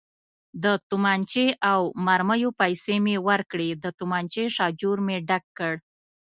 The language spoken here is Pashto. د تومانچې او مرمیو پیسې مې ورکړې، د تومانچې شاجور مې ډک کړ.